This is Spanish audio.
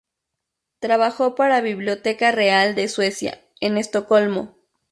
Trabajó para Biblioteca Real de Suecia, en Estocolmo.